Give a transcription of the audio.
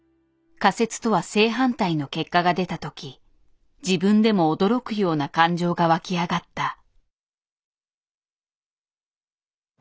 仮説とは正反対の結果が出た時自分でも驚くような感情が湧き上がった。